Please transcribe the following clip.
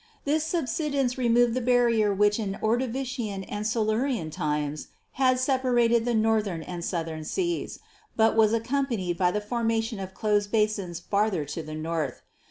This subsidence removed the barrier which in Ordovician and Silurian times had separated the northern and southern seas, but was accompanied by the formation of closed basins farther HISTORICAL GEOLOGY 217 to the north.